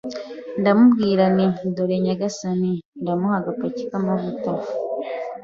Ndamubwira nti: “Dore nyagasani,” ndamuha agapaki k'amavuta.